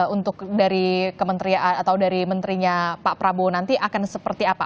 untuk dari kementerian atau dari menterinya pak prabowo nanti akan seperti apa